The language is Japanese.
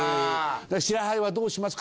支払いはどうしますか？